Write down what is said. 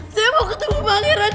saya mau ketemu pangeran